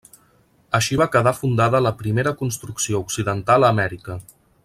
Així va quedar fundada la primera construcció occidental a Amèrica.